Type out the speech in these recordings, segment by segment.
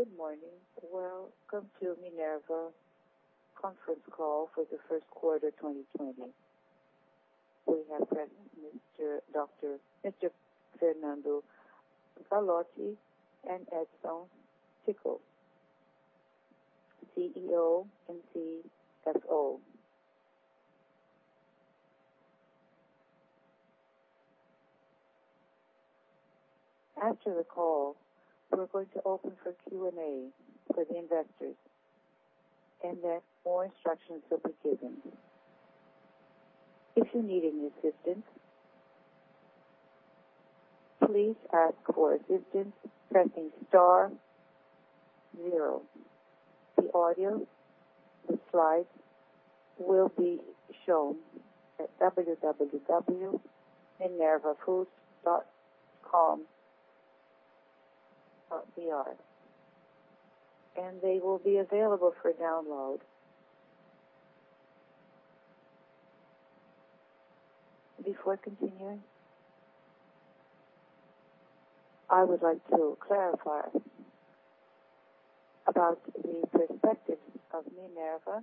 Good morning. Welcome to Minerva conference call for the first quarter 2020. We have Mr. Fernando Queiroz and Edison Ticle, CEO and CFO. After the call, we're going to open for Q&A for the investors, and then more instructions will be given. If you're needing assistance, please ask for assistance by pressing star zero. The audio and slides will be shown at www.minervafoods.com.br, and they will be available for download. Before continuing, I would like to clarify about the perspectives of Minerva,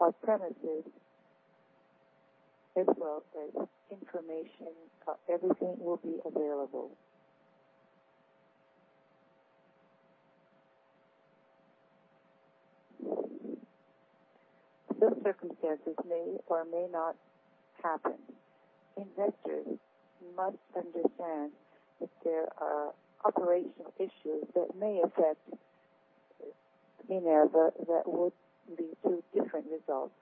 our premises, as well as information. Everything will be available. The circumstances may or may not happen. Investors must understand that there are operational issues that may affect Minerva that would lead to different results.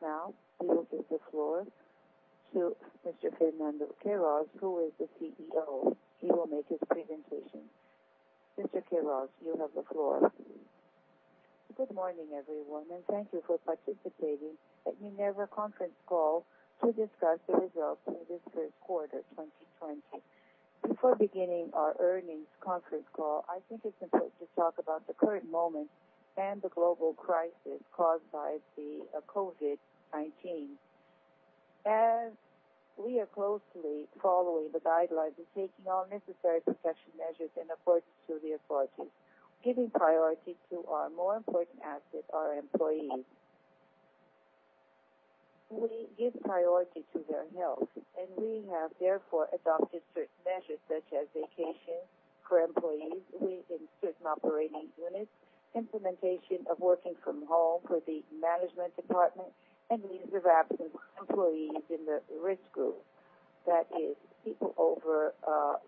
Now we will give the floor to Mr. Fernando Queiroz, who is the CEO. He will make his presentation. Mr. Queiroz, you have the floor. Good morning, everyone. Thank you for participating at Minerva conference call to discuss the results for this first quarter 2020. Before beginning our earnings conference call, I think it's important to talk about the current moment and the global crisis caused by the COVID-19. We are closely following the guidelines and taking all necessary precautionary measures in accordance to the authorities, giving priority to our more important asset, our employees. We give priority to their health, and we have therefore adopted certain measures such as vacation for employees within certain operating units, implementation of working from home for the management department, and leaves of absence for employees in the risk group. That is people over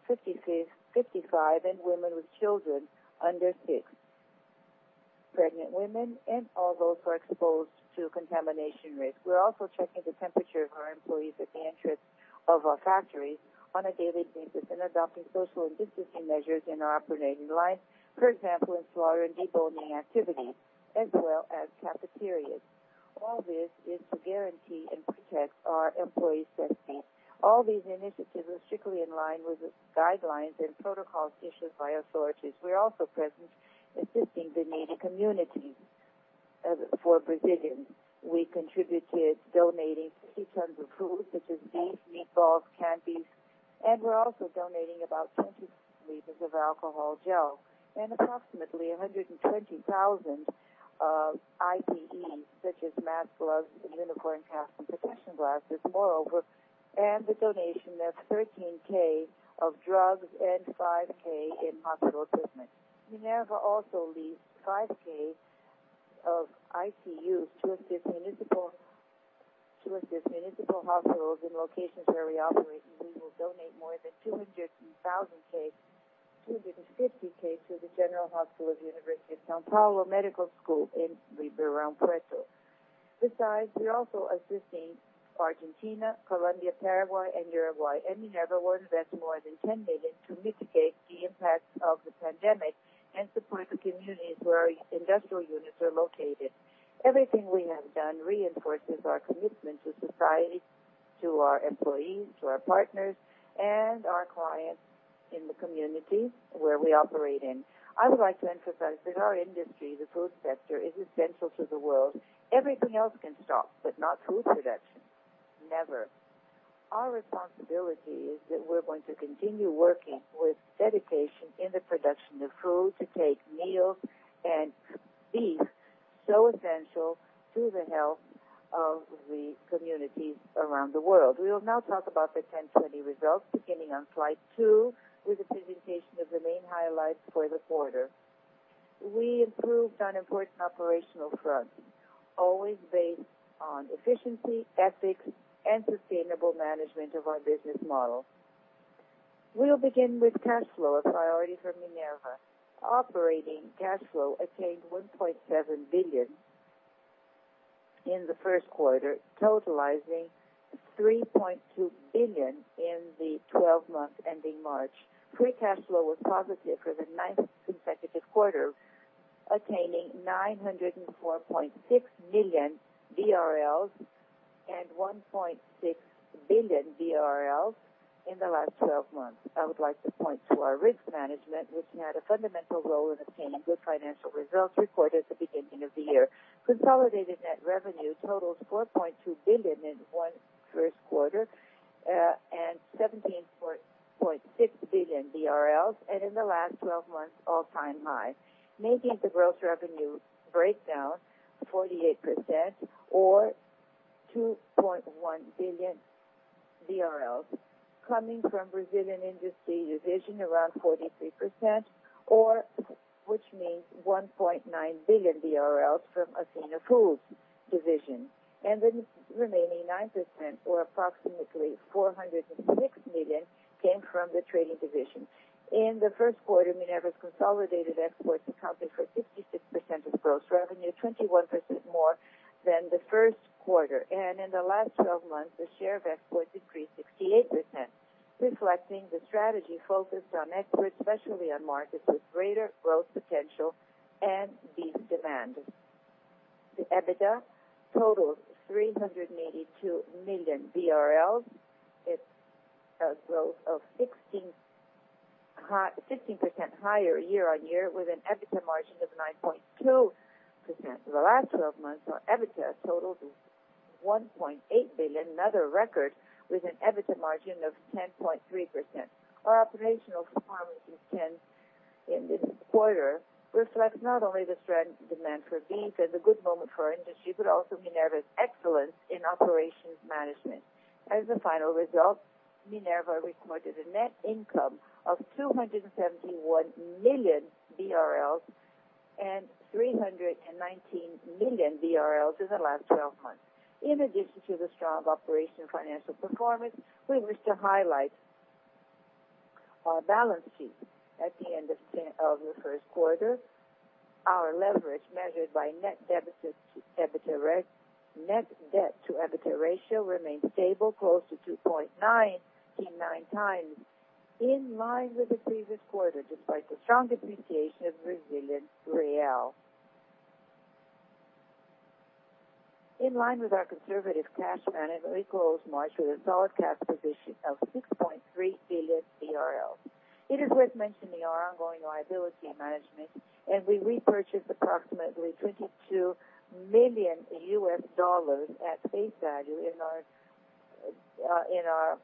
55, and women with children under six, pregnant women, and all those who are exposed to contamination risk. We're also checking the temperature of our employees at the entrance of our factories on a daily basis and adopting social distancing measures in our operating lines. For example, in slaughter and deboning activities, as well as cafeterias. All this is to guarantee and protect our employees' safety. All these initiatives are strictly in line with the guidelines and protocols issued by authorities. We are also present assisting the needy communities. For Brazilians, we contributed, donating category of food, such as beef, meatballs, candies, and we're also donating about 20 L of alcohol gel and approximately 120,000 PPE, such as masks, gloves, bouffant caps, and protection glasses. Moreover, the donation of 13,000 of drugs and 5,000 in hospital equipment. Minerva also leased 5,000 of ICU to assist municipal hospitals in locations where we operate, and we will donate more than 250,000 to the General Hospital of the University of São Paulo Medical School in Ribeirão Preto. Besides, we're also assisting Argentina, Colombia, Paraguay, and Uruguay, and Minerva will invest more than 10 million to mitigate the impact of the pandemic and support the communities where our industrial units are located. Everything we have done reinforces our commitment to society, to our employees, to our partners, and our clients in the communities where we operate in. I would like to emphasize that our industry, the food sector, is essential to the world. Everything else can stop, but not food production. Never. Our responsibility is that we're going to continue working with dedication in the production of food to take meals and beef, so essential to the health of the communities around the world. We will now talk about the 1Q20 results, beginning on slide two with a presentation of the main highlights for the quarter. We improved on important operational fronts, always based on efficiency, ethics, and sustainable management of our business model. We'll begin with cash flow, a priority for Minerva. Operating cash flow attained 1.7 billion in the first quarter, totalizing 3.2 billion in the 12 months ending March. Free cash flow was positive for the ninth consecutive quarter, attaining 904.6 million and 1.6 billion in the last 12 months. I would like to point to our risk management, which had a fundamental role in obtaining good financial results reported at the beginning of the year. Consolidated net revenue totals 4.2 billion in one first quarter. BRL 17.6 billion in the last 12 months, an all-time high. Making the gross revenue breakdown, 48% or 2.1 billion coming from Brazilian industry division, around 43%, which means 1.9 billion BRL from Athena Foods division, and the remaining 9% or approximately 406 million came from the trading division. In the first quarter, Minerva's consolidated exports accounted for 66% of gross revenue, 21% more than the first quarter. In the last 12 months, the share of exports increased 68%, reflecting the strategy focused on exports, especially on markets with greater growth potential and beef demand. The EBITDA totaled 382 million BRL. It's a growth of 16% higher year-on-year with an EBITDA margin of 9.2% for the last 12 months. Our EBITDA totaled 1.8 billion, another record, with an EBITDA margin of 10.3%. Our operational performance in this quarter reflects not only the strong demand for beef and the good moment for our industry, but also Minerva's excellence in operations management. As a final result, Minerva recorded a net income of 271 million BRL and 319 million BRL in the last 12 months. In addition to the strong operation financial performance, we wish to highlight our balance sheet. At the end of the first quarter, our leverage measured by net debt to EBITDA ratio remained stable close to 2.99x, in line with the previous quarter, despite the strong appreciation of Brazilian real. In line with our conservative cash management, we closed March with a solid cash position of 6.3 billion. It is worth mentioning our ongoing liability management. We repurchased approximately $22 million at face value in our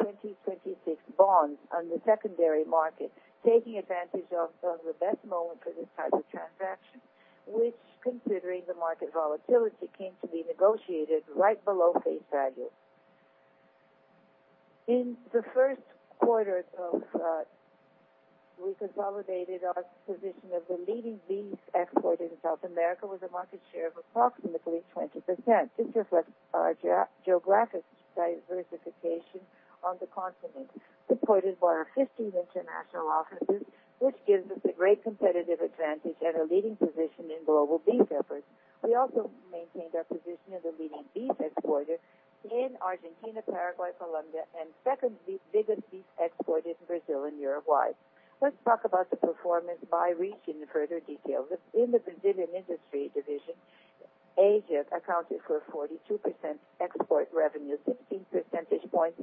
2026 bonds on the secondary market, taking advantage of the best moment for this type of transaction, which, considering the market volatility, came to be negotiated right below face value. In the first quarter, we consolidated our position as the leading beef exporter in South America with a market share of approximately 20%. This reflects our geographic diversification on the continent, supported by our 15 international offices, which gives us a great competitive advantage and a leading position in global beef efforts. We also maintained our position as a leading beef exporter in Argentina, Paraguay, Colombia, and second biggest beef exporter in Brazil and Uruguay. Let's talk about the performance by region in further detail. In the Brazilian industry division, Asia accounted for 42% export revenue, 16 percentage points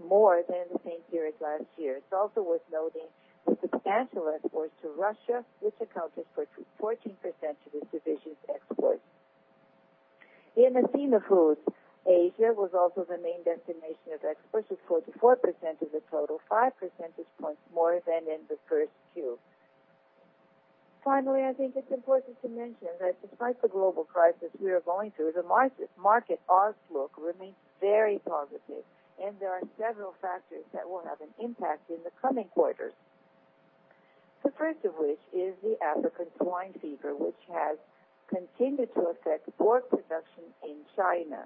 more than the same period last year. It's also worth noting the substantial exports to Russia, which accounted for 14% of this division's exports. In Athena Foods, Asia was also the main destination of exports with 44% of the total, five percentage points more than in the first Q. I think it's important to mention that despite the global crisis we are going through, the market outlook remains very positive, and there are several factors that will have an impact in the coming quarters. The first of which is the African swine fever, which has continued to affect pork production in China.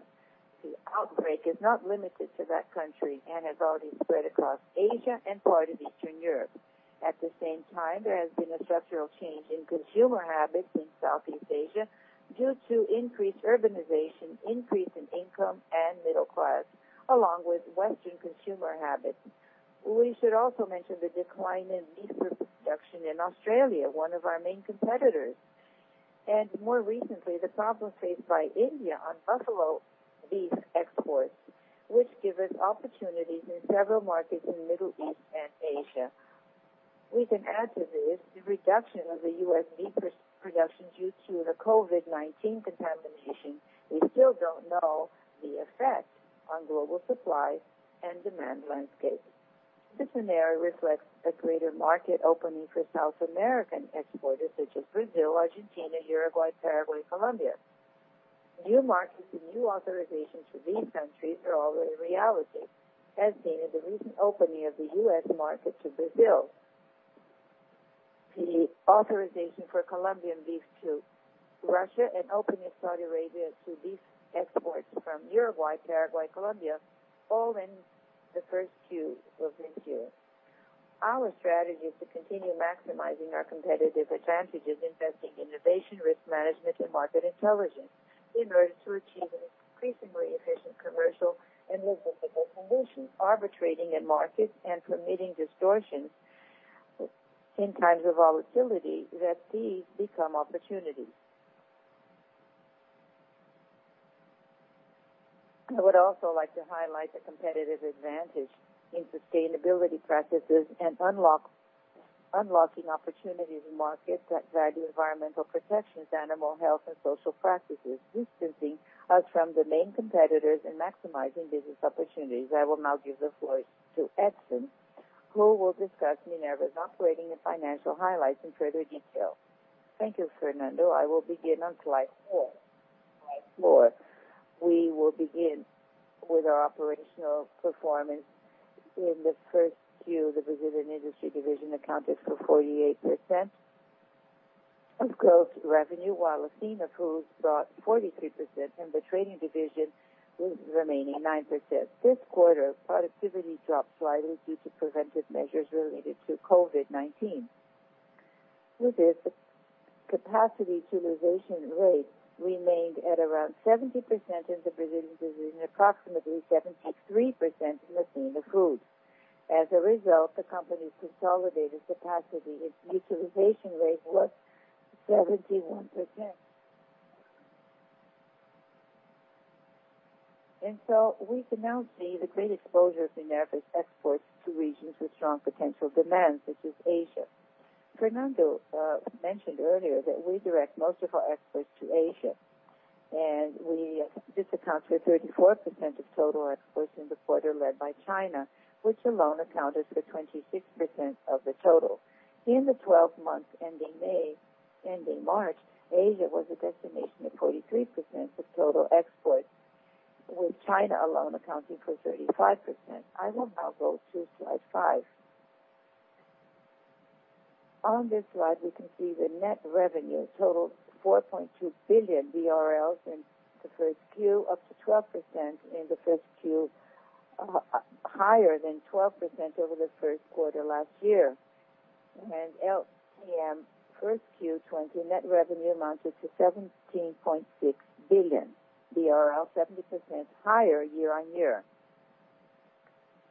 The outbreak is not limited to that country and has already spread across Asia and parts of Eastern Europe. At the same time, there has been a structural change in consumer habits in Southeast Asia due to increased urbanization, increase in income and middle class, along with Western consumer habits. We should also mention the decline in beef production in Australia, one of our main competitors. More recently, the problem faced by India on buffalo beef exports, which give us opportunities in several markets in Middle East and Asia. We can add to this the reduction of the U.S. beef production due to the COVID-19 contamination. We still don't know the effect on global supply and demand landscape. This scenario reflects a greater market opening for South American exporters such as Brazil, Argentina, Uruguay, Paraguay, Colombia. New markets and new authorizations to these countries are already a reality, as seen in the recent opening of the U.S. market to Brazil. The authorization for Colombian beef to Russia and opening of Saudi Arabia to beef exports from Uruguay, Paraguay, Colombia, all in the first Q of this year. Our strategy is to continue maximizing our competitive advantages, investing in innovation, risk management, and market intelligence in order to achieve an increasingly efficient commercial and logistical solution, arbitrating in markets and permitting distortions in times of volatility that these become opportunities. I would also like to highlight the competitive advantage in sustainability practices and Unlocking opportunities in markets that value environmental protections, animal health, and social practices, distancing us from the main competitors and maximizing business opportunities. I will now give the floor to Edison, who will discuss Minerva's operating and financial highlights in further detail. Thank you, Fernando. I will begin on slide four. Slide four, we will begin with our operational performance. In the first Q, the Brazilian industry division accounted for 48% of gross revenue, while Athena Foods brought 43%, and the trading division was the remaining 9%. This quarter, productivity dropped slightly due to preventive measures related to COVID-19. With this, the capacity utilization rate remained at around 70% in the Brazilian division, approximately 73% in Athena Foods. As a result, the company's consolidated capacity utilization rate was 71%. We can now see the great exposure of Minerva's exports to regions with strong potential demand, such as Asia. Fernando mentioned earlier that we direct most of our exports to Asia, and this accounts for 34% of total exports in the quarter, led by China, which alone accounted for 26% of the total. In the 12 months ending March, Asia was a destination of 43% of total exports, with China alone accounting for 35%. I will now go to slide five. On this slide, we can see the net revenue totaled 4.2 billion in the first Q, up to 12% in the first Q, higher than 12% over the first quarter last year. LTM first Q 2020 net revenue amounted to 17.6 billion, 70% higher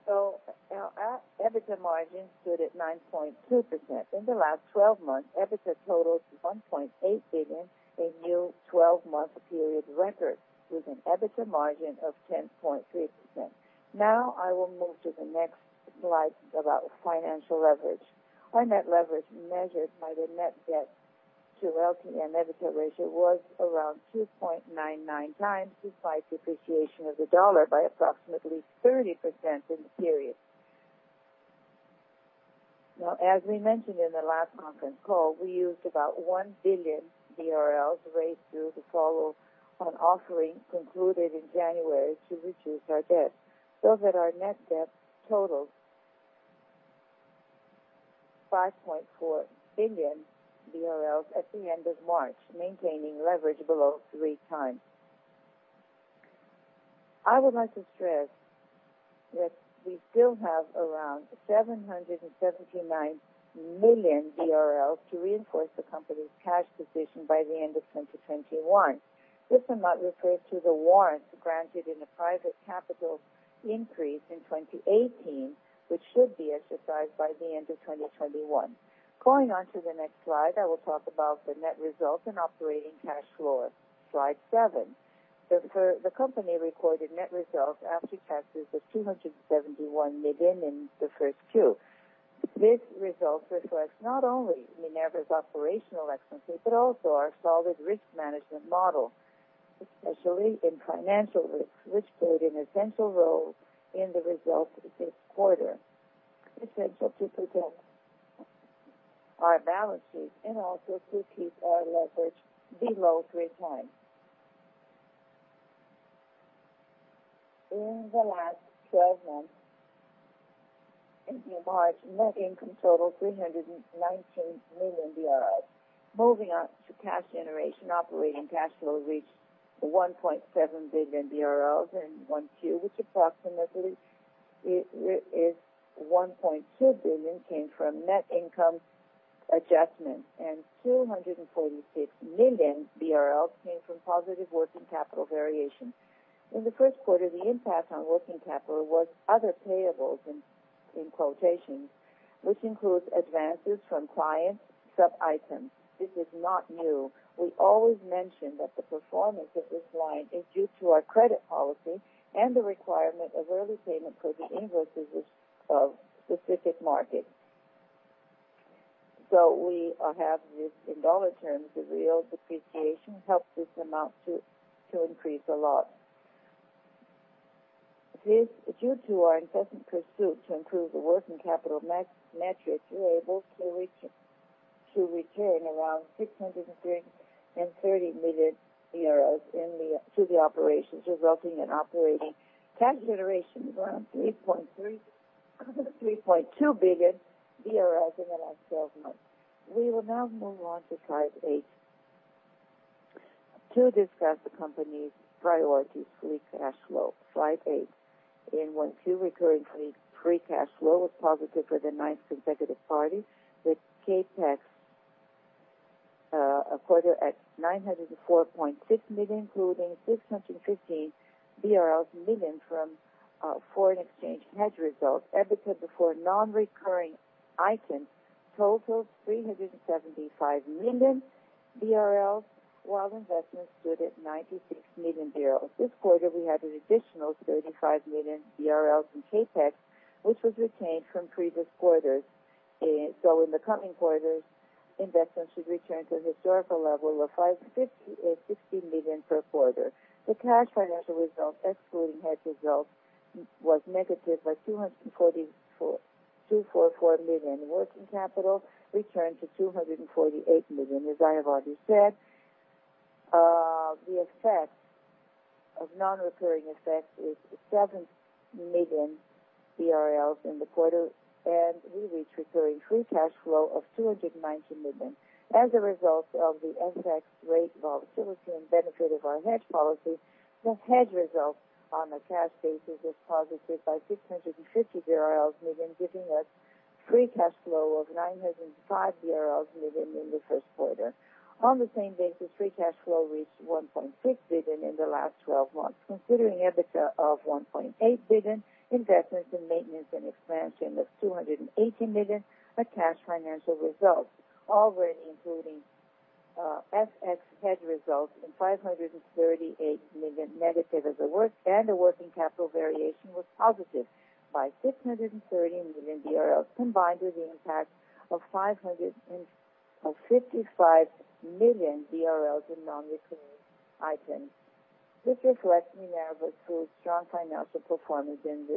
year-on-year. Our EBITDA margin stood at 9.2%. In the last 12 months, EBITDA totaled 1.8 billion, a new 12-month period record, with an EBITDA margin of 10.3%. Now I will move to the next slide about financial leverage. Our net leverage, measured by the net debt to LTM EBITDA ratio, was around 2.99x, despite depreciation of the U.S. dollar by approximately 30% in the period. As we mentioned in the last conference call, we used about 1 billion BRL raised through the follow-on offering concluded in January to reduce our debt, so that our net debt totaled 5.4 billion BRL at the end of March, maintaining leverage below three times. I would like to stress that we still have around 779 million to reinforce the company's cash position by the end of 2021. This amount refers to the warrants granted in the private capital increase in 2018, which should be exercised by the end of 2021. Going on to the next slide, I will talk about the net results and operating cash flow. Slide seven. The company recorded net results after taxes of 271 million in the first Q. This result reflects not only Minerva's operational excellence, but also our solid risk management model, especially in financial risk, which played an essential role in the results of this quarter. Essential to protect our balance sheet and also to keep our leverage below 3x. In the last 12 months ending in March, net income totaled BRL 319 million. Moving on to cash generation. Operating cash flow reached 1.7 billion BRL in 1Q, which approximately 1.2 billion came from net income adjustments, and 246 million BRL came from positive working capital variation. In the first quarter, the impact on working capital was "other payables," in quotations, which includes advances from clients sub-items. This is not new. We always mention that the performance of this line is due to our credit policy and the requirement of early payment for the invoices of specific markets. We have this in dollar terms. The real depreciation helped this amount to increase a lot. It is due to our incessant pursuit to improve the working capital metrics. We were able to return around BRL 630 million to the operations, resulting in operating cash generation around BRL 3.2 billion in the last 12 months. We will now move on to slide eight to discuss the company's priorities. Free cash flow. Slide eight. In 1 Q, recurring free cash flow was positive for the ninth consecutive quarter, with CapEx recorded at 904.6 million, including 615 million BRL from foreign exchange hedge results. EBITDA before non-recurring items totaled 375 million BRL, while investments stood at 96 million BRL. This quarter, we had an additional 35 million BRL in CapEx, which was retained from previous quarters. In the coming quarters, investments should return to the historical level of 560 million per quarter. The cash financial results, excluding hedge results, was negative by 244 million. Working capital returned to 248 million. As I have already said, the effect of non-recurring effects is 7 million BRL in the quarter, and we reached recurring free cash flow of 219 million. As a result of the FX rate volatility and benefit of our hedge policy, the hedge results on a cash basis was positive by 650 million BRL, giving us free cash flow of 905 million BRL in the first quarter. On the same basis, free cash flow reached 1.6 billion in the last 12 months. Considering EBITDA of 1.8 billion, investments in maintenance and expansion of 280 million are cash financial results, already including FX hedge results in 538 million negative. The working capital variation was positive by 630 million, combined with the impact of 555 million in non-recurring items. This reflects Minerva's strong financial performance in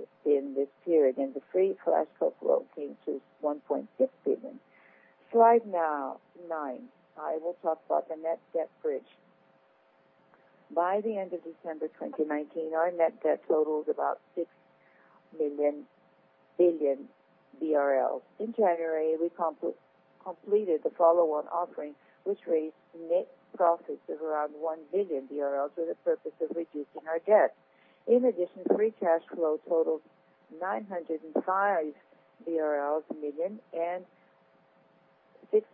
this period, and the free cash flow growth came to 1.6 billion. Slide nine. I will talk about the net debt bridge. By the end of December 2019, our net debt totaled about 6 billion BRL. In January, we completed the follow-on offering, which raised net profits of around BRL 1 billion for the purpose of reducing our debt. In addition, free cash flow totaled 905 million BRL, and 6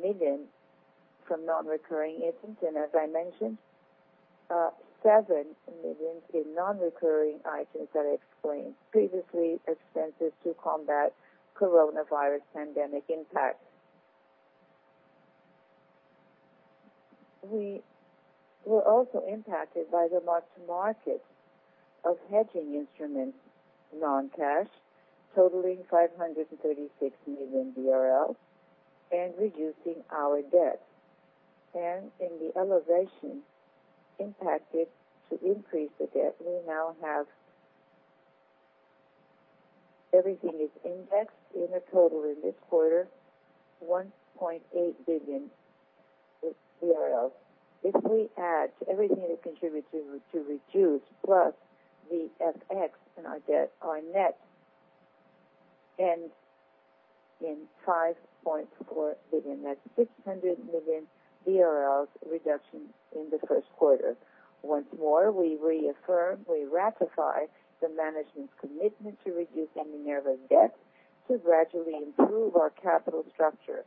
million from non-recurring items. As I mentioned, 7 million in non-recurring items that I explained previously, expenses to combat coronavirus pandemic impact. We were also impacted by the mark-to-market of hedging instruments, non-cash, totaling 536 million, and reducing our debt. In the elevation impacted to increase the debt, we now have everything is indexed in a total in this quarter, 1.8 billion. If we add everything that contribute to reduce plus the FX and our debt, our net ends in 5.4 billion. That's 600 million BRL reduction in the first quarter. Once more, we reaffirm, we ratify the management's commitment to reducing Minerva's debt to gradually improve our capital structure.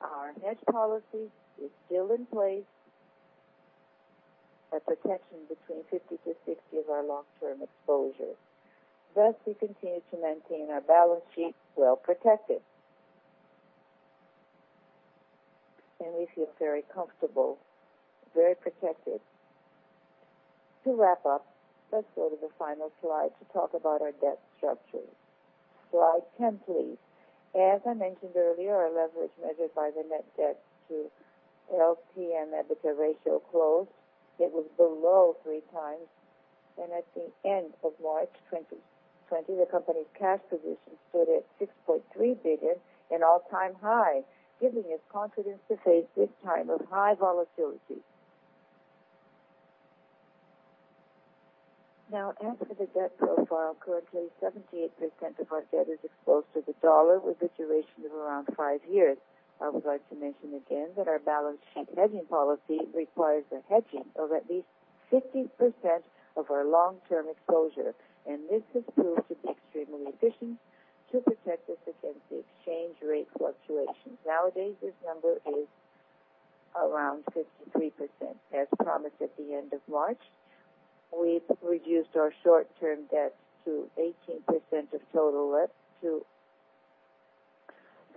Our hedge policy is still in place, a protection between 50%-60% of our long-term exposure. We continue to maintain our balance sheet well-protected. We feel very comfortable, very protected. To wrap up, let's go to the final slide to talk about our debt structure. Slide 10, please. As I mentioned earlier, our leverage measured by the net debt to LTM EBITDA ratio closed. It was below 3x. At the end of March 2020, the company's cash position stood at 6.3 billion, an all-time high, giving it confidence to face this time of high volatility. As for the debt profile, currently 78% of our debt is exposed to the U.S. dollar with a duration of around five years. I would like to mention again that our balance sheet hedging policy requires a hedging of at least 50% of our long-term exposure, and this has proved to be extremely efficient to protect us against the exchange rate fluctuations. Nowadays, this number is around 53%. As promised at the end of March, we've reduced our short-term debt to 18% of total debt.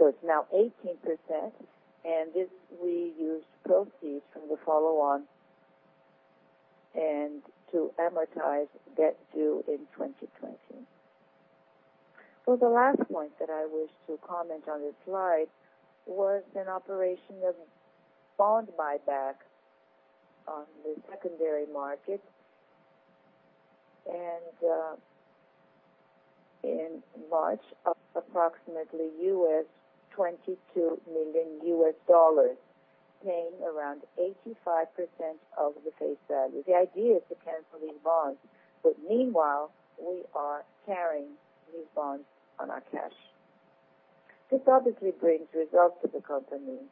It's now 18%, and this, we used proceeds from the follow-on and to amortize debt due in 2020. The last point that I wish to comment on this slide was an operation of bond buyback on the secondary market. In March, approximately $22 million, paying around 85% of the face value. The idea is to cancel these bonds. Meanwhile, we are carrying these bonds on our cash. This obviously brings results to the company.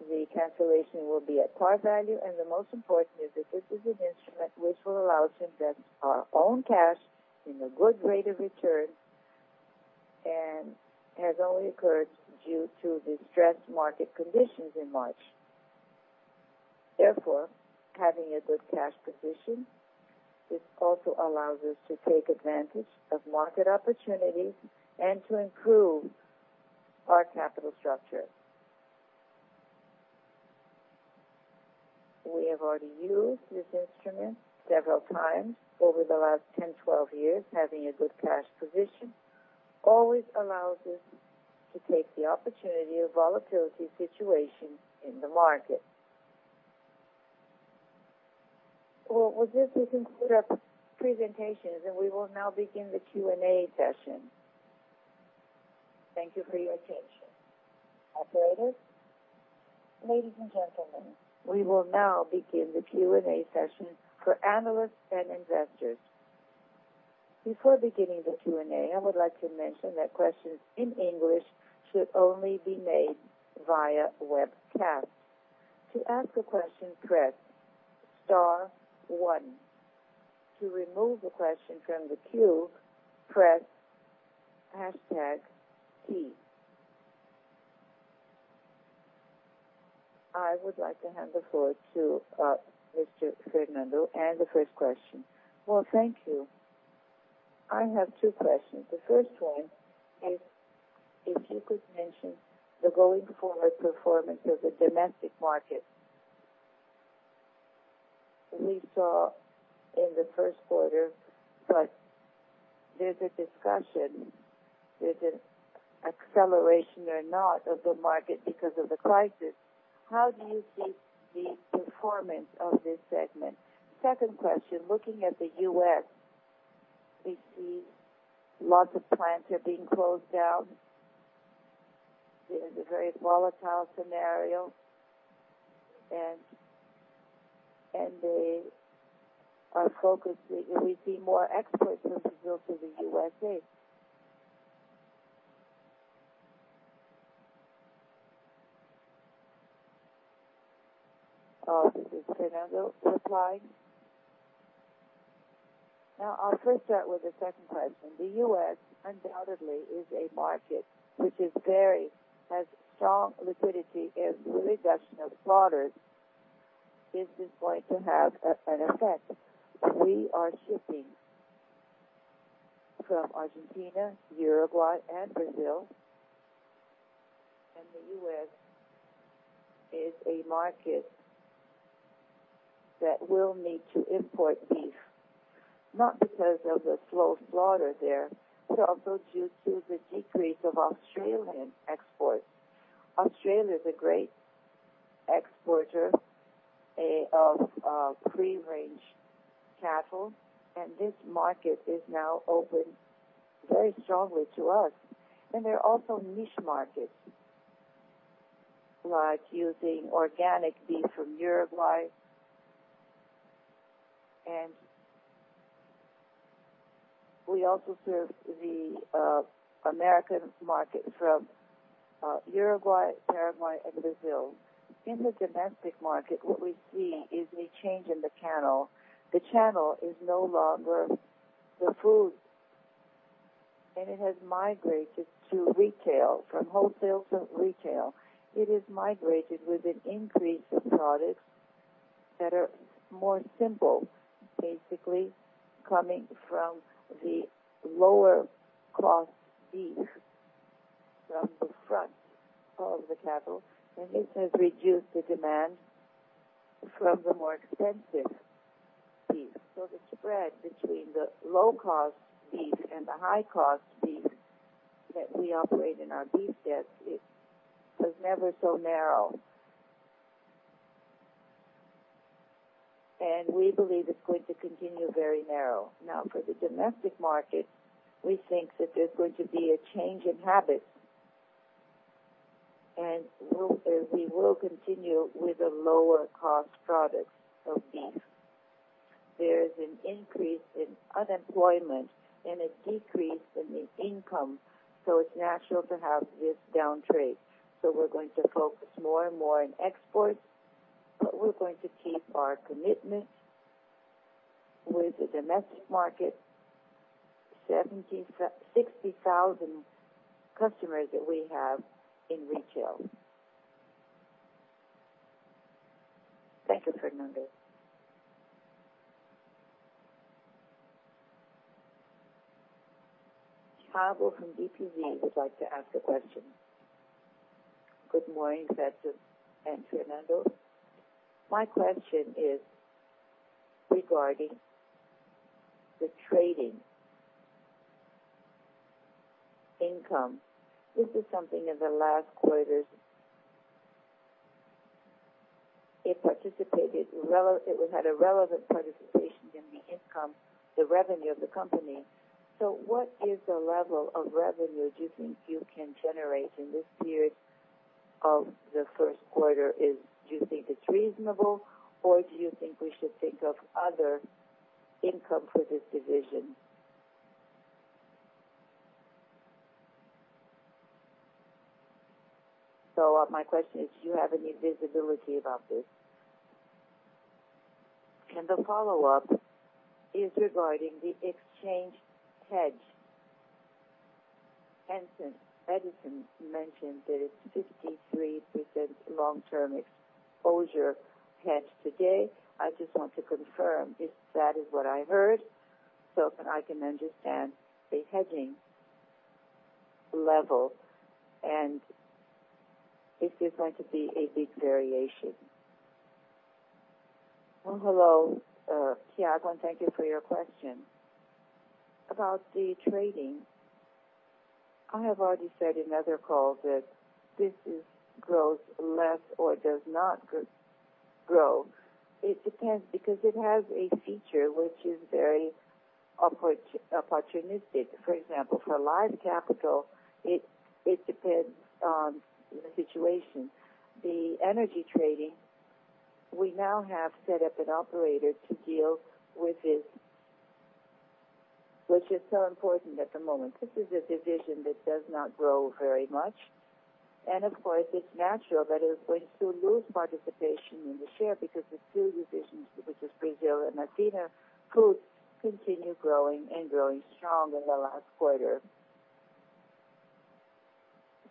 The cancellation will be at par value, and the most important is that this is an instrument which will allow us to invest our own cash in a good rate of return, and has only occurred due to the stressed market conditions in March. Therefore, having a good cash position also allows us to take advantage of market opportunities and to improve our capital structure. We have already used this instrument several times over the last 10, 12 years. Having a good cash position always allows us to take the opportunity of volatility situations in the market. Well, with this, we conclude our presentation, and we will now begin the Q&A session. Thank you for your attention. Operator? Ladies and gentlemen, we will now begin the Q&A session for analysts and investors. Before beginning the Q&A, I would like to mention that questions in English should only be made via webcast. To ask a question, press star one. To remove the question from the queue, press hashtag key. I would like to hand the floor to Mr. Fernando and the first question. Well, thank you. I have two questions. The first one is if you could mention the going-forward performance of the domestic market. We saw in the first quarter, but there's a discussion, there's an acceleration or not of the market because of the crisis. How do you see the performance of this segment? Second question, looking at the U.S., we see lots of plants are being closed down. There's a very volatile scenario, we see more exports from Brazil to the U.S.A. This is Fernando replying. I'll first start with the second question. The U.S. undoubtedly is a market which has very strong liquidity, and the reduction of slaughters is going to have an effect. We are shipping from Argentina, Uruguay, and Brazil, and the U.S. is a market that will need to import beef, not because of the slow slaughter there, but also due to the decrease of Australian exports. Australia is a great exporter of free-range cattle, this market is now open very strongly to us. There are also niche markets, like using organic beef from Uruguay. We also serve the American market from Uruguay, Paraguay, and Brazil. In the domestic market, what we see is a change in the channel. The channel is no longer the food, and it has migrated to retail, from wholesale to retail. It has migrated with an increase of products that are more simple, basically coming from the lower-cost beef from the front of the cattle. This has reduced the demand from the more expensive beef. The spread between the low-cost beef and the high-cost beef that we operate in our beef business was never so narrow. We believe it's going to continue very narrow. Now, for the domestic market, we think that there's going to be a change in habits, and we will continue with the lower-cost products of beef. There is an increase in unemployment and a decrease in the income. It's natural to have this downtrend. We're going to focus more and more on exports, but we're going to keep our commitment with the domestic market, 60,000 customers that we have in retail. Thank you, Fernando. Thiago from BTG would like to ask a question. Good morning, Cesar and Fernando. My question is regarding the trading income. This is something in the last quarters, it had a relevant participation in the income, the revenue of the company. What is the level of revenue do you think you can generate in this period of the first quarter? Do you think it's reasonable, or do you think we should think of other income for this division? My question is, do you have any visibility about this? The follow-up is regarding the exchange hedge Edison mentioned that it's 53% long-term exposure hedge today. I just want to confirm if that is what I heard, so that I can understand the hedging level and if there's going to be a big variation. Hello, Thiago. Thank you for your question. About the trading, I have already said in other calls that this grows less or does not grow. It depends, because it has a feature which is very opportunistic. For example, for live capital, it depends on the situation. The energy trading, we now have set up an operator to deal with it, which is so important at the moment. This is a division that does not grow very much. Of course, it's natural that it is going to lose participation in the share because the two divisions, which is Brazil and Argentina, could continue growing and growing strong in the last quarter.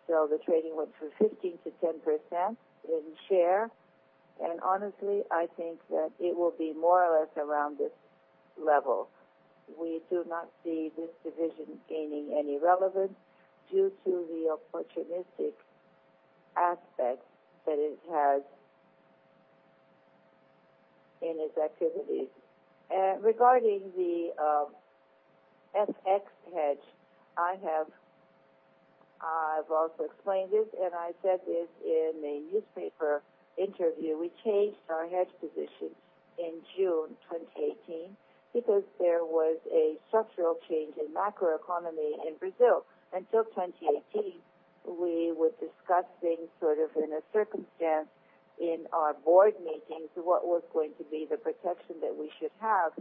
The trading went from 15%-10% in share. Honestly, I think that it will be more or less around this level. We do not see this division gaining any relevance due to the opportunistic aspect that it has in its activities. Regarding the FX hedge, I have also explained this, and I said this in a newspaper interview. We changed our hedge position in June 2018 because there was a structural change in macroeconomy in Brazil. Until 2018, we were discussing sort of in a circumstance in our board meetings what was going to be the protection that we should have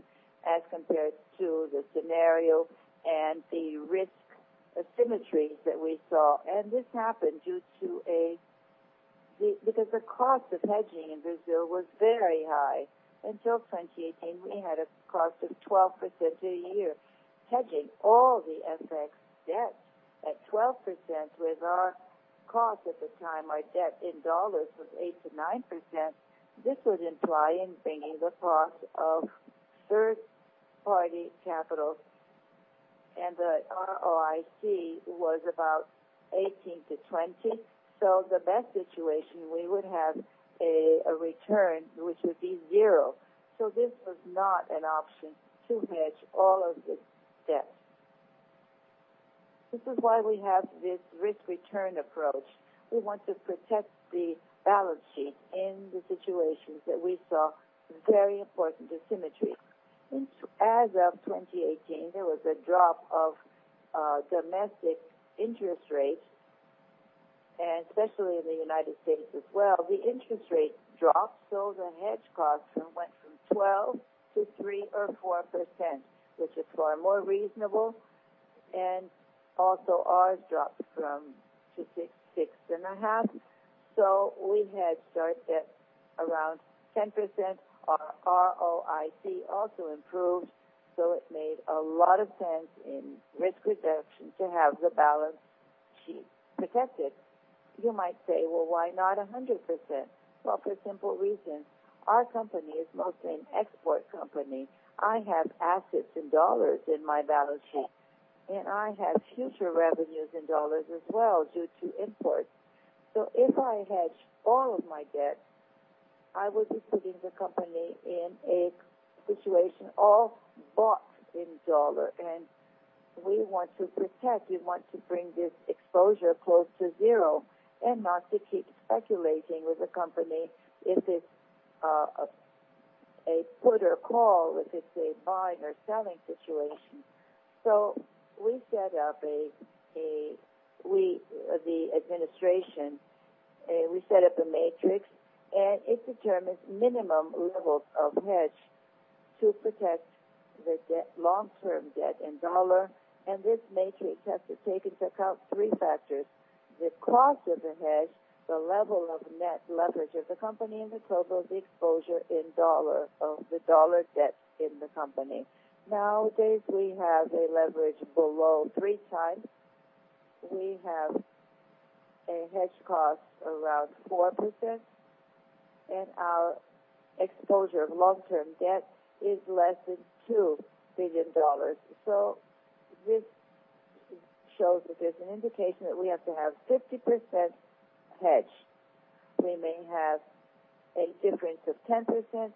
as compared to the scenario and the risk asymmetries that we saw. This happened because the cost of hedging in Brazil was very high. Until 2018, we had a cost of 12% a year, hedging all the FX debts at 12% with our cost at the time. Our debt in dollars was 8%-9%. This would imply bringing the cost of third-party capital, and the ROIC was about 18%-20%. The best situation, we would have a return, which would be zero. This was not an option to hedge all of this debt. This is why we have this risk-return approach. We want to protect the balance sheet in the situations that we saw very important asymmetry. As of 2018, there was a drop of domestic interest rates. Especially in the United States as well, the interest rate dropped. The hedge cost went from 12%-3% or 4%, which is far more reasonable. Also ours dropped to 6.5%. We had short debt around 10%. Our ROIC also improved. It made a lot of sense in risk reduction to have the balance sheet protected. You might say, "Well, why not 100%?" Well, for a simple reason. Our company is mostly an export company. I have assets in dollars in my balance sheet, and I have future revenues in dollars as well due to imports. If I hedge all of my debt, I would be putting the company in a situation all bought in dollar. We want to protect, we want to bring this exposure close to zero, and not to keep speculating with the company if it's a put or call, if it's a buying or selling situation. We set up, the administration, we set up a matrix, and it determines minimum levels of hedge to protect the long-term debt in dollar. This matrix has to take into account three factors: the cost of the hedge, the level of net leverage of the company, and the total, the exposure in dollar of the dollar debt in the company. Nowadays, we have a leverage below three times. We have a hedge cost around 4%, and our exposure of long-term debt is less than $2 billion. This shows that there's an indication that we have to have 50% hedged. We may have a difference of 10%,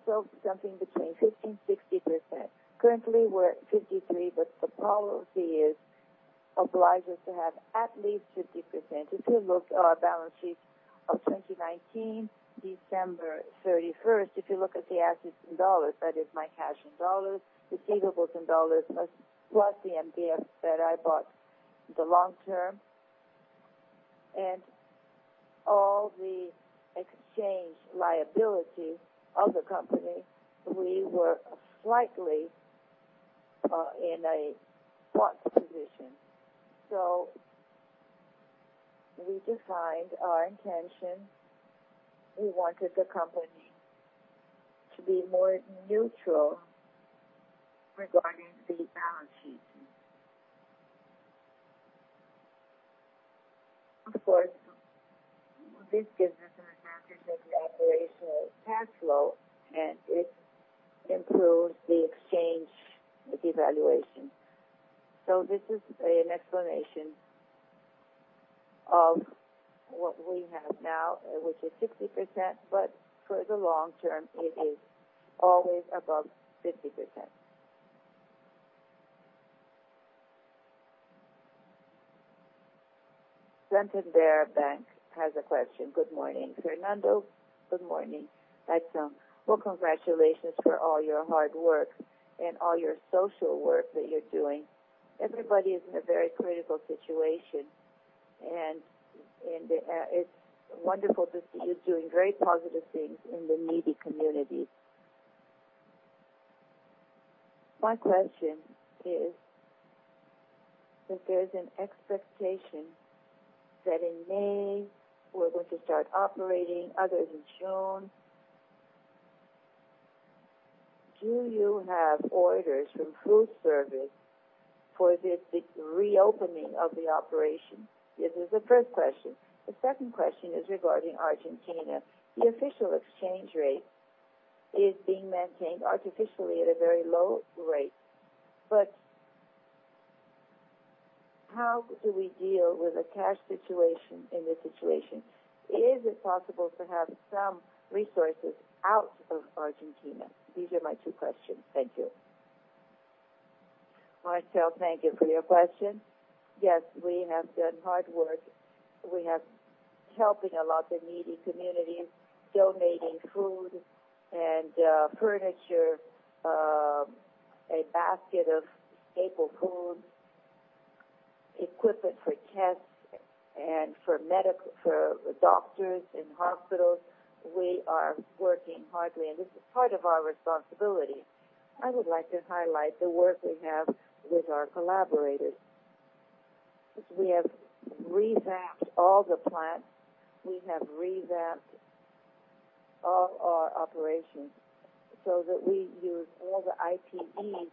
so something between 50%-60%. Currently, we're at 53%. The policy obliges us to have at least 50%. If you look at our balance sheet of 2019, December 31st, if you look at the assets in dollars, that is my cash in dollars, receivables in dollars, plus the NDF that I bought the long term, and all the exchange liability of the company, we were slightly in a bought position. We defined our intention. We wanted the company to be more neutral regarding the balance sheets. Of course, this gives us an advantage in operational cash flow, and it improves the exchange devaluation. This is an explanation of what we have now, which is 60%, but for the long term, it is always above 50%. Santander Bank has a question. Good morning. Fernando, good morning. Edison. Well, congratulations for all your hard work and all your social work that you're doing. Everybody is in a very critical situation, and it's wonderful to see you doing very positive things in the needy communities. My question is that there's an expectation that in May, we're going to start operating, others in June. Do you have orders from food service for the reopening of the operation? This is the first question. The second question is regarding Argentina. The official exchange rate is being maintained artificially at a very low rate. How do we deal with a cash situation in this situation? Is it possible to have some resources out of Argentina? These are my two questions. Thank you. Marcel, thank you for your question. Yes, we have done hard work. We have helping a lot the needy communities, donating food and furniture, a basket of staple food, equipment for tests, and for doctors in hospitals. We are working hard. This is part of our responsibility. I would like to highlight the work we have with our collaborators. We have revamped all the plants. We have revamped all our operations, that we use all the PPE.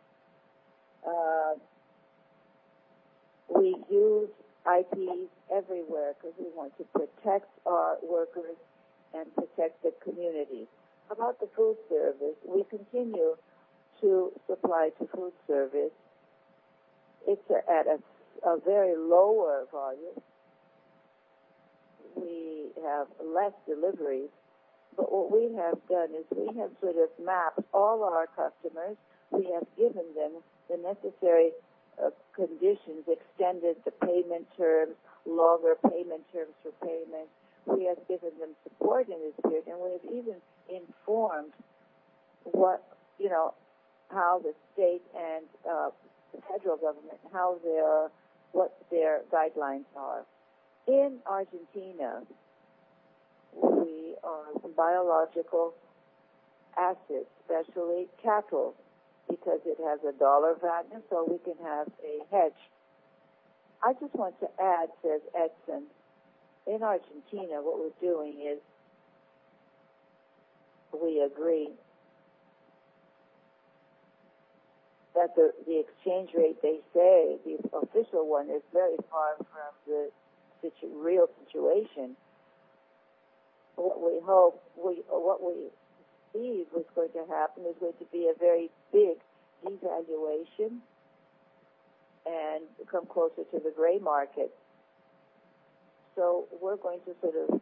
We use PPE everywhere because we want to protect our workers and protect the community. About the food service, we continue to supply to food service. It's at a very lower volume. We have less deliveries. What we have done is we have sort of mapped all our customers. We have given them the necessary conditions, extended the payment terms, longer payment terms for payment. We have given them support in this period. We have even informed how the state and federal government, what their guidelines are. In Argentina, we are biological assets, especially cattle, because it has a dollar value, so we can have a hedge. I just want to add, In Argentina, what we're doing is we agree that the exchange rate they say, the official one, is very far from the real situation. What we believe was going to happen is going to be a very big devaluation and come closer to the gray market. We're going to sort of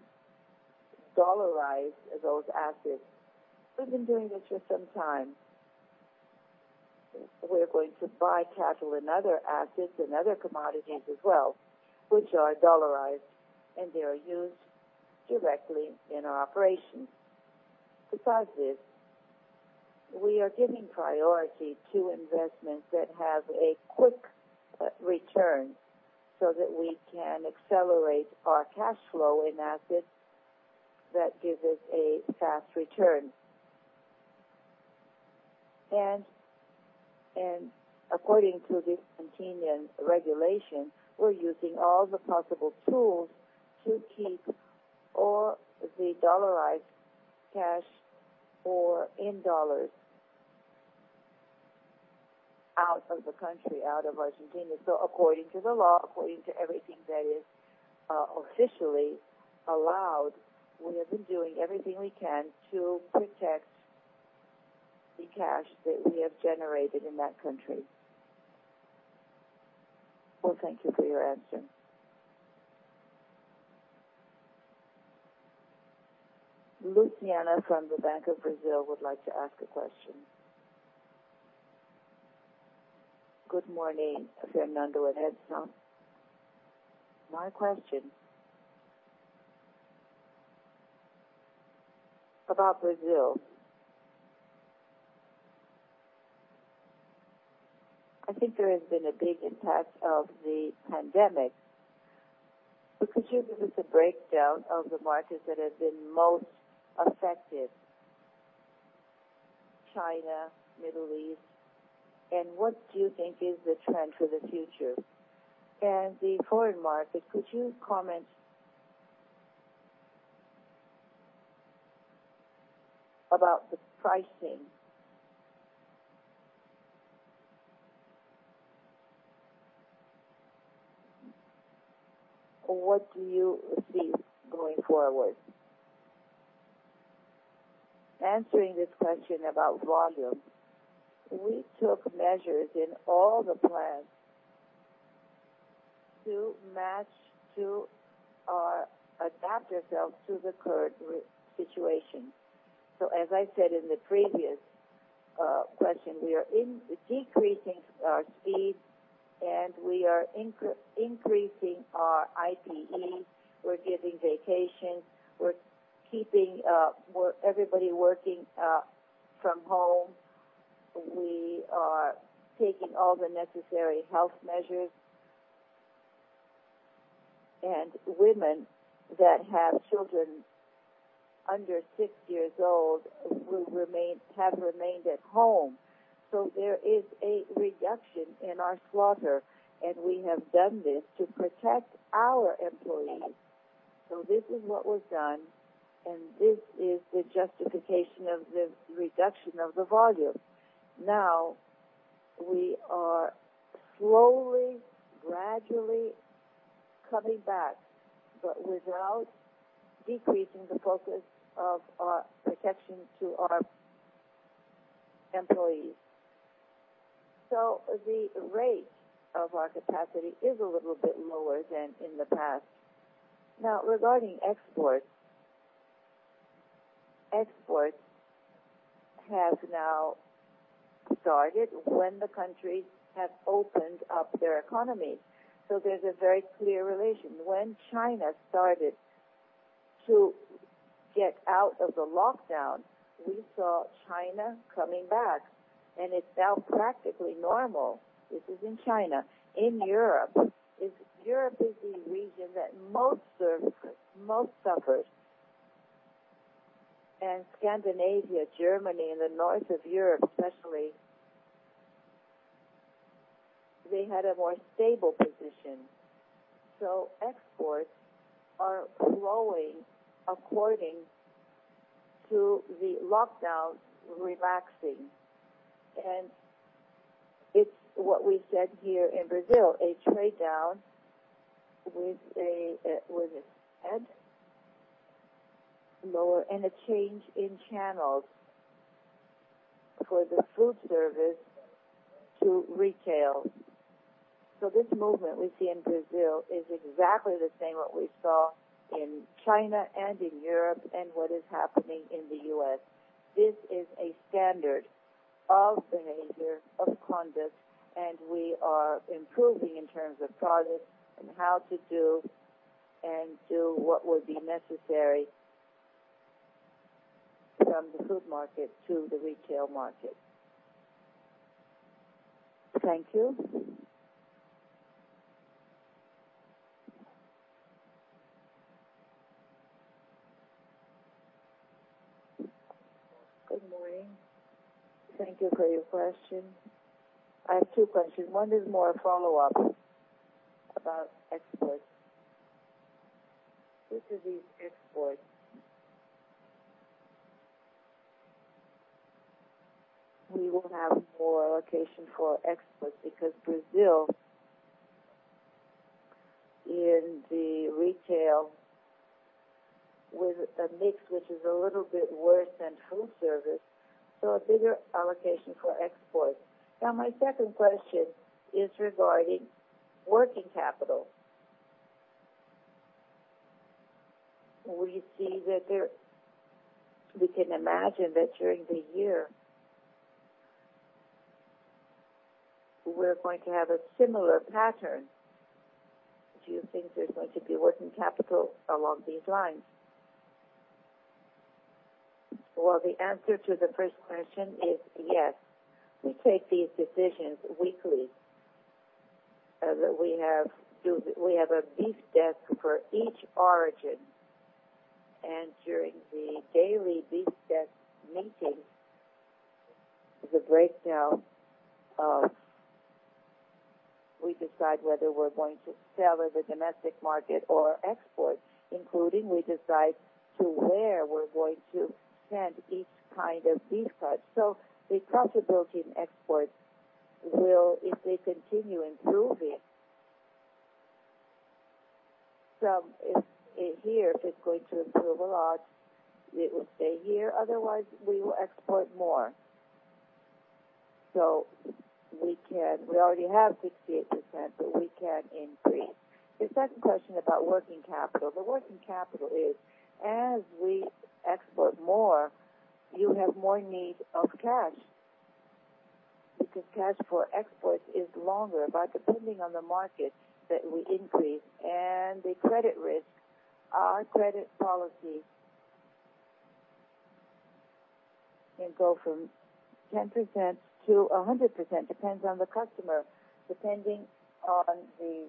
dollarize those assets. We've been doing this for some time. We're going to buy cattle and other assets and other commodities as well, which are dollarized, and they are used directly in our operations. Besides this, we are giving priority to investments that have a quick return so that we can accelerate our cash flow in assets that gives us a fast return. According to the Argentinian regulation, we're using all the possible tools to keep all the dollarized cash or in dollars out of the country, out of Argentina. According to the law, according to everything that is officially allowed, we have been doing everything we can to protect the cash that we have generated in that country. Well, thank you for your answer. Luciana from the Banco do Brasil would like to ask a question. Good morning, Fernando and Edison. My question about Brazil. I think there has been a big impact of the pandemic. Could you give us a breakdown of the markets that have been most affected? China? Middle East? What do you think is the trend for the future? The foreign market, could you comment about the pricing, what do you see going forward? Answering this question about volume, we took measures in all the plants to adapt ourselves to the current situation. As I said in the previous question, we are decreasing our speed, and we are increasing our PPE. We're giving vacation. We're keeping everybody working from home. We are taking all the necessary health measures. Women that have children under six years old have remained at home. There is a reduction in our slaughter, and we have done this to protect our employees. This is what was done, and this is the justification of the reduction of the volume. We are slowly, gradually coming back, but without decreasing the focus of our protection to our employees. The rate of our capacity is a little bit lower than in the past. Regarding exports. Exports have now started when the countries have opened up their economies. There's a very clear relation. When China started to get out of the lockdown, we saw China coming back, and it's now practically normal. This is in China. In Europe is the region that most suffers. Scandinavia, Germany, and the north of Europe, especially, they had a more stable position. Exports are flowing according to the lockdowns relaxing. It's what we said here in Brazil, a trade down with a lower and a change in channels for the food service to retail. This movement we see in Brazil is exactly the same what we saw in China and in Europe and what is happening in the U.S. This is a standard of behavior, of conduct, and we are improving in terms of product and how to do, and do what would be necessary from the food market to the retail market. Thank you. Good morning. Thank you for your question. I have two questions. One is more a follow-up about exports. With these exports, we will have more allocation for exports because Brazil, in the retail, with a mix which is a little bit worse than food service, so a bigger allocation for exports. My second question is regarding working capital. We can imagine that during the year, we're going to have a similar pattern. Do you think there's going to be working capital along these lines? The answer to the first question is yes. We take these decisions weekly, as we have a beef desk for each origin. During the daily beef desk meeting, we decide whether we're going to sell in the domestic market or export, including we decide to where we're going to send each kind of beef cut. The profitability in exports will, if they continue improving, from here, if it's going to improve a lot, it will stay here. We will export more. We already have 68%, but we can increase. The second question about working capital. The working capital is, as we export more, you have more need of cash, because cash for exports is longer. Depending on the market that we increase and the credit risk, our credit policy can go from 10%-100%, depends on the customer. Depending on the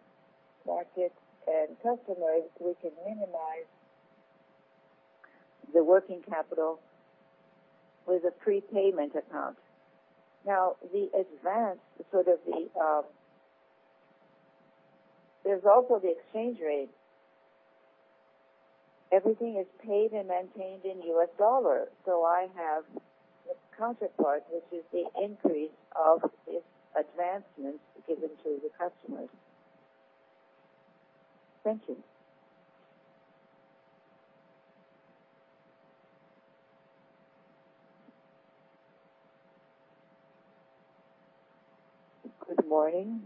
market and customers, we can minimize. The working capital was a prepayment account. The advance, there's also the exchange rate. Everything is paid and maintained in US dollars. I have the counterpart, which is the increase of this advancement given to the customers. Thank you. Good morning.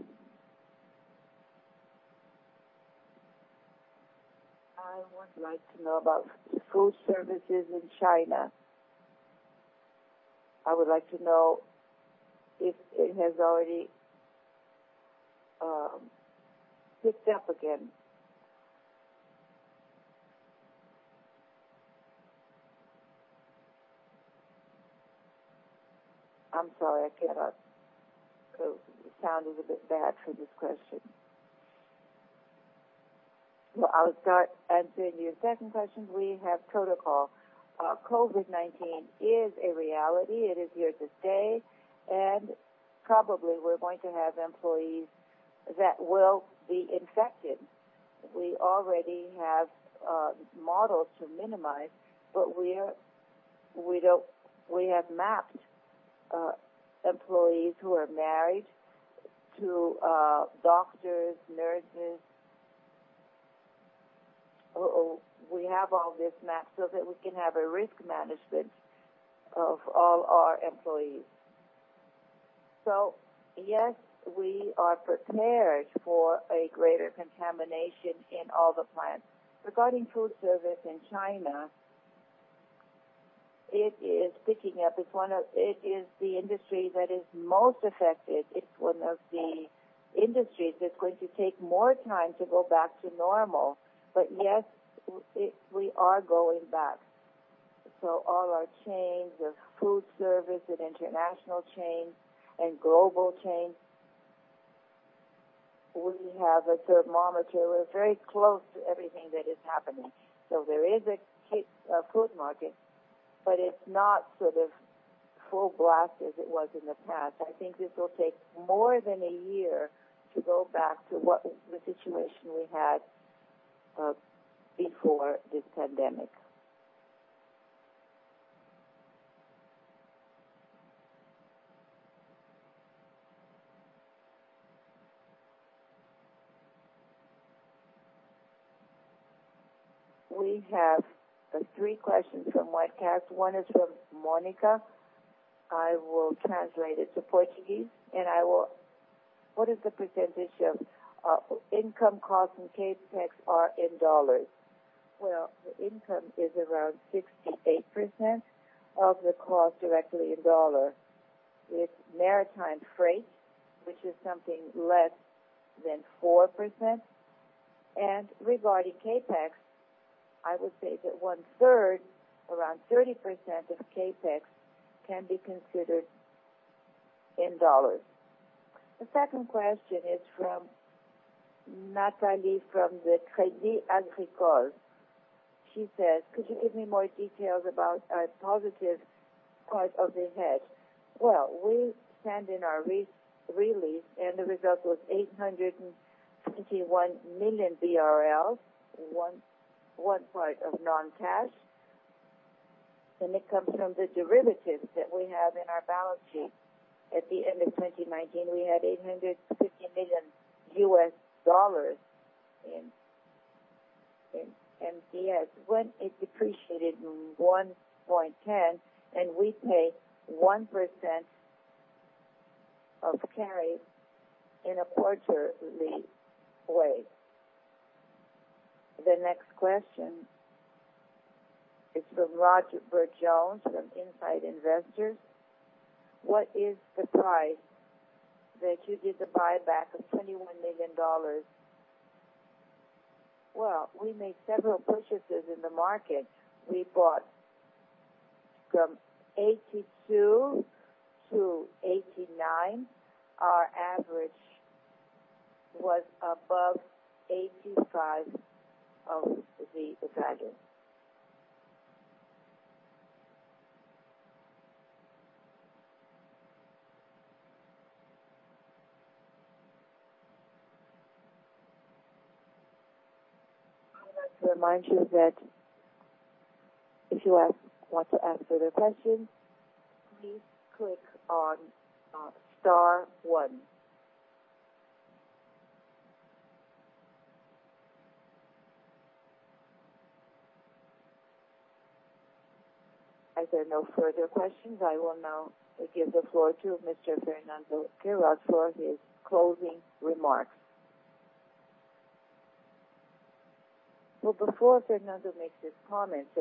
I would like to know about food services in China. I would like to know if it has already picked up again? I'm sorry. I cannot. The sound is a bit bad for this question. Well, I'll start answering your second question. We have protocol. COVID-19 is a reality. It is here to stay. Probably we're going to have employees that will be infected. We already have models to minimize. We have mapped employees who are married to doctors, nurses. We have all this mapped so that we can have a risk management of all our employees. Yes, we are prepared for a greater contamination in all the plants. Regarding food service in China, it is picking up. It is the industry that is most affected. It's one of the industries that's going to take more time to go back to normal. Yes, we are going back. All our chains of food service and international chains and global chains, we have a thermometer. We're very close to everything that is happening. There is a food market, but it's not sort of full blast as it was in the past. I think this will take more than a year to go back to what was the situation we had before this pandemic. We have three questions from webcast. One is from Monica. I will translate it to Portuguese. What is the percentage of income costs and CapEx are in dollars? The income is around 68% of the cost directly in dollar. It's maritime freight, which is something less than 4%. Regarding CapEx, I would say that one-third, around 30% of CapEx, can be considered in dollars. The second question is from Natalia from the Crédit Agricole. She says,"Could you give me more details about a positive part of the hedge?" Well, we stand in our release, the result was 851 million BRL, one part of non-cash. It comes from the derivatives that we have in our balance sheet. At the end of 2019, we had $850 million in NDFs. When it depreciated in 1.10 and we pay 1% of carry in a quarterly way. The next question is from Roger Burt Jones from Insight Investment. What is the price that you did the buyback of $21 million? Well, we made several purchases in the market. We bought from $82-$89. Our average was above $85 of the value. I would like to remind you that if you want to ask further questions, please click on star one. As there are no further questions, I will now give the floor to Mr. Fernando Queiroz for his closing remarks. Well, before Fernando makes his comments,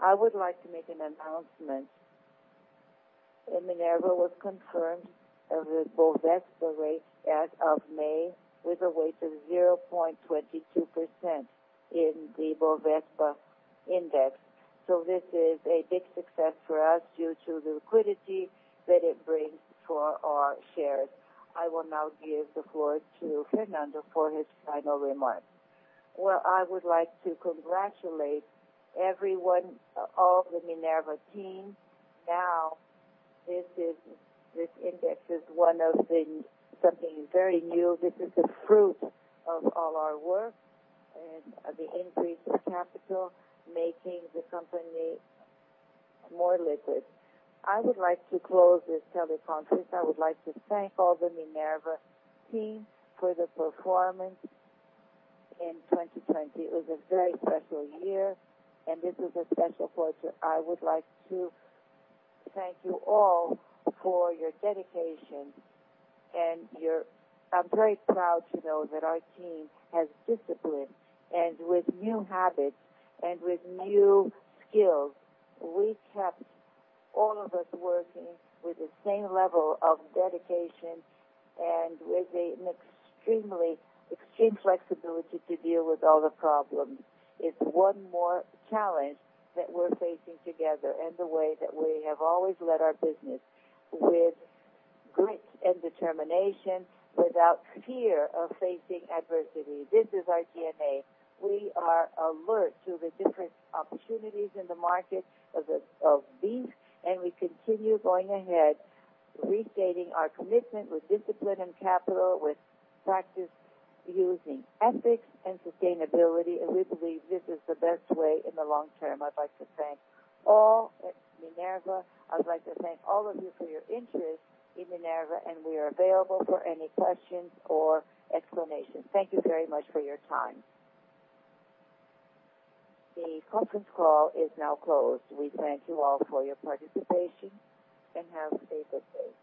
I would like to make an announcement. That Minerva was confirmed as a Bovespa weight as of May with a weight of 0.22% in the Bovespa index. This is a big success for us due to the liquidity that it brings for our shares. I will now give the floor to Fernando for his final remarks. Well, I would like to congratulate everyone, all of the Minerva team. This index is one of something very new. This is the fruit of all our work and the increase in capital, making the company more liquid. I would like to close this teleconference. I would like to thank all the Minerva team for the performance in 2020. It was a very special year, and this is a special fortune. I would like to thank you all for your dedication. I'm very proud to know that our team has discipline and with new habits and with new skills, we kept all of us working with the same level of dedication and with an extreme flexibility to deal with all the problems. It's one more challenge that we're facing together and the way that we have always led our business, with grit and determination, without fear of facing adversity. This is our DNA. We are alert to the different opportunities in the market of beef. We continue going ahead, restating our commitment with discipline and capital, with practice using ethics and sustainability, and we believe this is the best way in the long term. I'd like to thank all at Minerva. I'd like to thank all of you for your interest in Minerva, and we are available for any questions or explanations. Thank you very much for your time. The conference call is now closed. We thank you all for your participation, and have a good day.